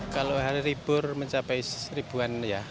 kalau hari libur mencapai seribu orang